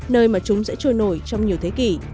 nơi mà chúng sẽ trôi nổi trong nhiều thế kỷ